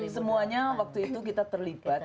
semuanya waktu itu kita terlibat